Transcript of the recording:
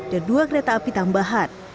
dan dua kereta api tambahan